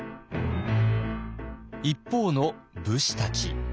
一方の武士たち。